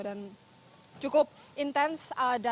dan cukup intens